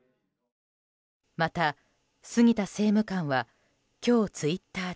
また杉田政務官は今日、ツイッターで